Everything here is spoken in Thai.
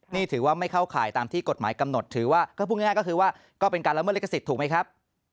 นี่ถือว่าไม่เข้าข่ายตามที่กฎหมายกำหนดถือว่าก็พูดง่ายก็คือว่าก็เป็นการละเมิดลิขสิทธิ์ถูกไหมครับ